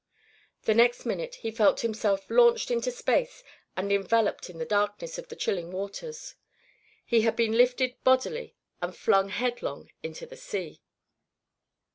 The next minute he felt himself launched into space and enveloped in the darkness of the chilling waters. He had been lifted bodily and flung headlong into the sea.